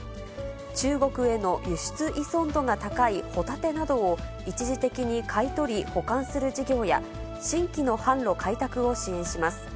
中国への輸出依存度が高いホタテなどを一時的に買い取り、保管する事業や、新規の販路開拓を支援します。